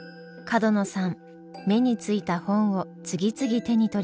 角野さん目についた本を次々手に取ります。